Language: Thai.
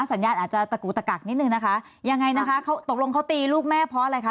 สัญญาณอาจจะตะกูตะกักนิดนึงนะคะยังไงนะคะเขาตกลงเขาตีลูกแม่เพราะอะไรคะ